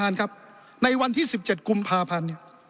ในวันที่๑๗กุมภาพันธุ์